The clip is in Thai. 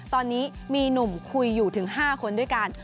ตอนนี้มีหนุ่มคุยอยู่ถึง๕คนด้วยกัน